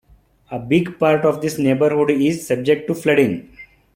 A big part of this neighborhood is subject to flooding.